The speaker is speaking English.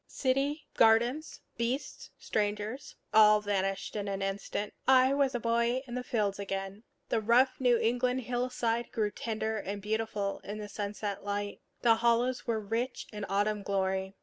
City, gardens, beasts, strangers, all vanished in an instant. I was a boy in the fields again. The rough New England hillside grew tender and beautiful in sunset light; the hollows were rich in autumn glory.